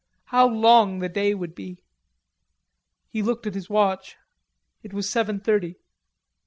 How long the day would be. He looked at his watch. It was seven thirty.